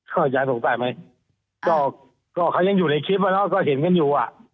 ก็ยังสงสัยไหมก็เขายังอยู่ในคลิปแล้วนะก็เห็นกันอยู่อ่ะ